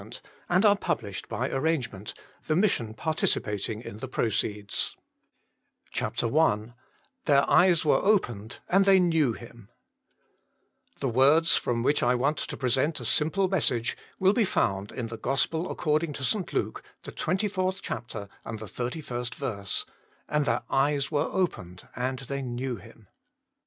and are published by arrange ment, the Mission participating in the proceeds. '■ •4' • 1 fw *•* 44 3e0U0 "fcimsclt" Their eyes were openedy and they knew Eim»" THE words, from which I want to present a simple message, will be found in the Gospel according to St. Luke, the 24th chapter and the 31st verse :*^ And their eyes were opened^ and if ley knew Him.